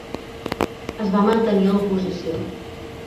Es va mantenir a l'oposició.